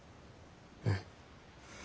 うん。